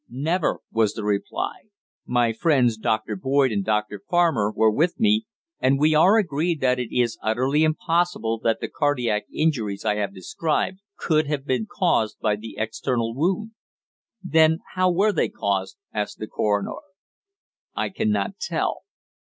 "Never!" was the reply. "My friends, Doctor Boyd and Doctor Farmer, were with me, and we are agreed that it is utterly impossible that the cardiac injuries I have described could have been caused by the external wound." "Then how were they caused?" asked the coroner. "I cannot tell."